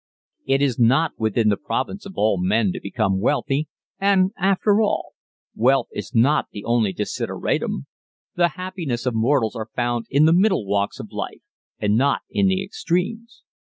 It is not within the province of all men to become wealthy and, after all, wealth is not the only desideratum; the happiest of mortals are found in the middle walks of life and not in the extremes.